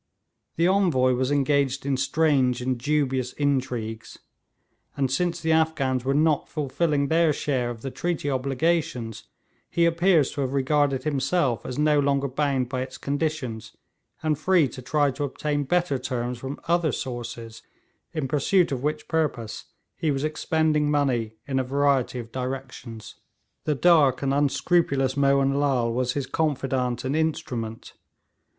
The Envoy was engaged in strange and dubious intrigues, and since the Afghans were not fulfilling their share of the treaty obligations, he appears to have regarded himself as no longer bound by its conditions, and free to try to obtain better terms from other sources, in pursuit of which purpose he was expending money in a variety of directions. The dark and unscrupulous Mohun Lal was his confidant and instrument.